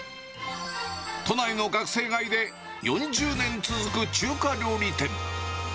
都内の学生街で４０年続く中華料理店。